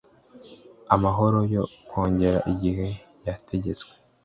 amahoro yo kongera igihe yategetswe